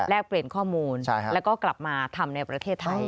เปลี่ยนข้อมูลแล้วก็กลับมาทำในประเทศไทย